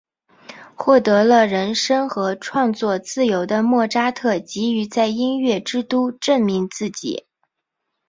获得了人生和创作自由的莫扎特急于在音乐之都证明自己。